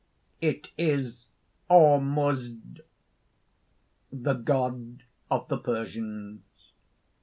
_ It is ORMUZD _the God of the Persians.